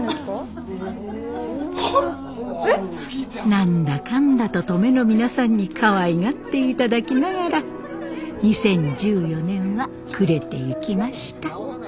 何だかんだと登米の皆さんにかわいがっていただきながら２０１４年は暮れてゆきました。